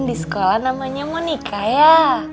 di sekolah namanya monika ya